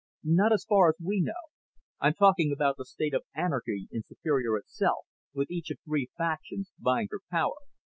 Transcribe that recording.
"Not as far as we know. I'm talking about the state of anarchy in Superior itself, with each of three factions vying for power.